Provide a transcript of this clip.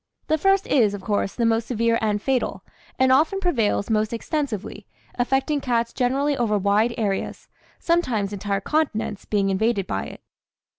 The first is, of course, the most severe and fatal, and often prevails most extensively, affecting cats generally over wide areas, sometimes entire continents being invaded by it.